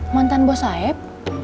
mantan buah sayap